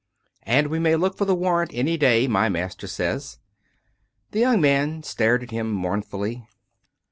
And we may look for the warrant any day, my master says." The young man stared at him mournfully.